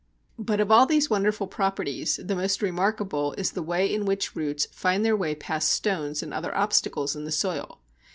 But of all these wonderful properties, the most remarkable is the way in which roots find their way past stones and other obstacles in the soil.